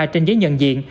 trên giấy nhận diện